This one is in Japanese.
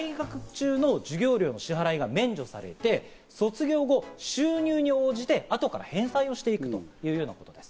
これ、在学中の授業料の支払いが免除されて、卒業後、収入に応じて後から返済していくということです。